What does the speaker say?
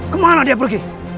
kemana dia pergi